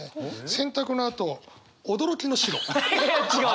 洗濯のあと驚きの白！！